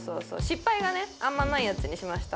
失敗がねあんまないやつにしました。